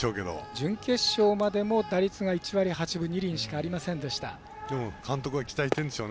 準決勝までも打率が１割８分２厘しかありませんでした。